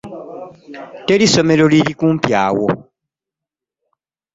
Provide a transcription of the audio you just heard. Teri ssomero liri kumpi awo?